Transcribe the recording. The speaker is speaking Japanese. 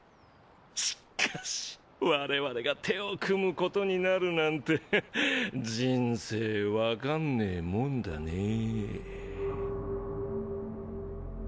しっかし我々が手を組むことになるなんてヘッ人生分かんねぇもんだねぇ。